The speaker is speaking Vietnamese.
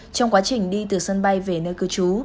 trong quá trình đi từ sân bay về nơi cư trú